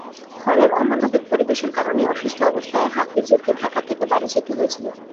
হলের অমানবিক পরিবেশের কারণেই অসুস্থ অবস্থায় হাফিজুরকে ঢাকা থেকে বাড়ি যেতে হয়েছিল।